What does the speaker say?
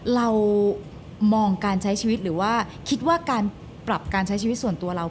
เรามองการใช้ชีวิตหรือว่าคิดว่าการปรับการใช้ชีวิตส่วนตัวเรา